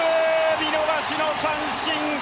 見逃しの三振！